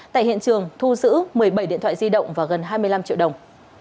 tại hiện trường thu giữ một mươi bảy điện thoại di động và gần hai mươi năm triệu đồng